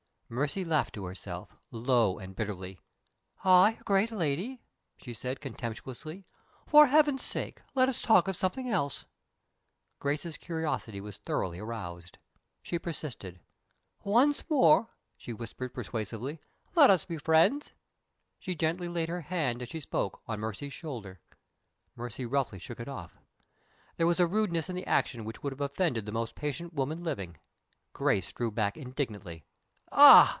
Mercy laughed to herself low and bitterly. "I a great lady!" she said, contemptuously. "For Heaven's sake, let us talk of something else!" Grace's curiosity was thoroughly roused. She persisted. "Once more," she whispered, persuasively, "let us be friends." She gently laid her hand as she spoke on Mercy's shoulder. Mercy roughly shook it off. There was a rudeness in the action which would have offended the most patient woman living. Grace drew back indignantly. "Ah!"